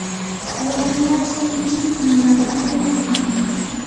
waywash ichik nawiyuqmi.